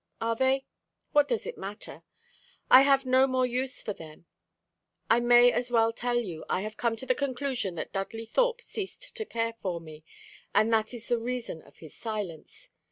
"Are they? What does it matter? I have no more use for them. I may as well tell you I have come to the conclusion that Dudley Thorpe ceased to care for me, and that is the reason of his silence.